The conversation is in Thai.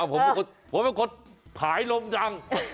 ผมเป็นคนฉายรมดั้ง